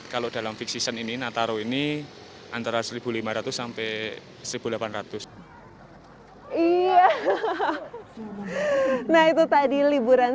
kalau dalam fixation ini nataro ini antara seribu lima ratus seribu delapan ratus iya hahaha nah itu tadi liburan